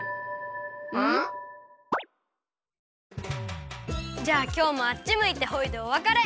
ん？じゃあきょうもあっちむいてホイでおわかれ。